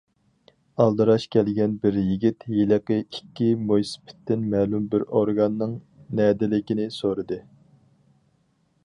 ئالدىراش كەلگەن بىر يىگىت ھېلىقى ئىككى مويسىپىتتىن مەلۇم بىر ئورگاننىڭ نەدىلىكىنى سورىدى.